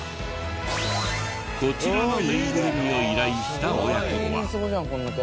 こちらのぬいぐるみを依頼した親子は？